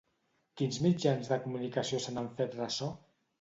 Quins mitjans de comunicació se n'han fet ressò?